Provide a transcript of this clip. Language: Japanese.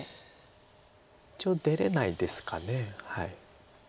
一応出れないですか。